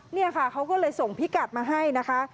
เนี่ยค่ะเขาก็เลยส่งพิกัดมาให้นะคะ